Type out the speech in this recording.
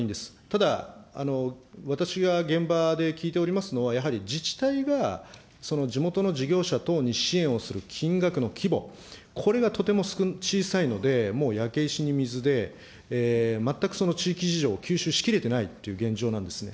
ただ、私が現場で聞いておりますのは、やはり自治体が地元の事業者等に支援をする金額の規模、これがとても小さいので、もう焼け石に水で、全くその地域事情を吸収しきれてないという現状なんですね。